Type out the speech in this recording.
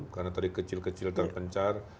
karena tadi kecil kecil terpencar